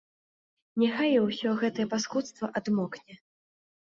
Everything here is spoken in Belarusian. Няхай усё гэта паскудства адмокне.